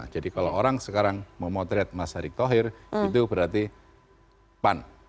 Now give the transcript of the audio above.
jadi kalau orang sekarang memotret mas erik thohir itu berarti pan